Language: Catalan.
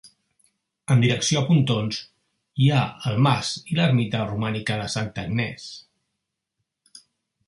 En direcció a Pontons, hi ha el mas i l'ermita romànica de Santa Agnès.